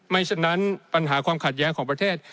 ฉะนั้นปัญหาความขัดแย้งของประเทศ